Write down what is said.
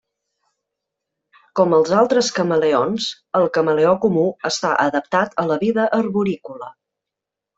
Com els altres camaleons, el camaleó comú està adaptat a la vida arborícola.